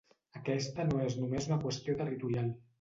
Aquesta no és només una qüestió territorial.